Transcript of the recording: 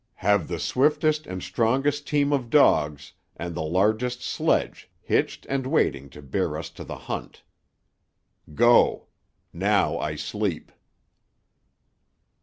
Have the swiftest and strongest team of dogs and the largest sledge hitched and waiting to bear us to the hunt. Go! Now I sleep."